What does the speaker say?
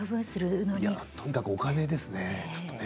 とにかくお金ですね。